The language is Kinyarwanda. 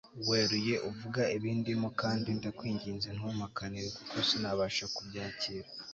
weruye uvuga ibindimo kandi ndakwinginze ntumpakanire kuko sinabasha kubyakira